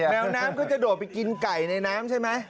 แมวน้ำก็จะโดดไปกินไก่ในน้ำใช่ไหม